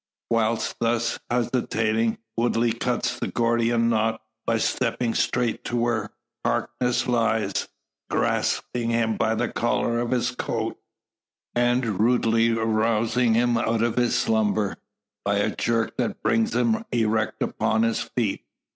While thus hesitating, Woodley cuts the Gordian knot by stepping straight to where Harkness lies, grasping the collar of his coat, and rudely arousing him out of his slumber, by a jerk that brings him erect upon his feet.